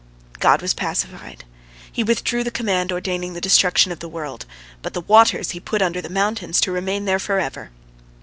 God was pacified; He withdrew the command ordaining the destruction of the world, but the waters He put under the mountains, to remain there forever.